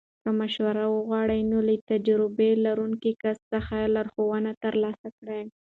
که مشوره وغواړې، نو له تجربه لرونکو کسانو څخه لارښوونه ترلاسه کړه.